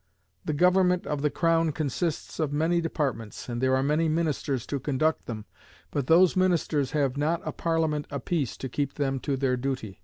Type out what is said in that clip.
The government of the crown consists of many departments, and there are many ministers to conduct them, but those ministers have not a Parliament apiece to keep them to their duty.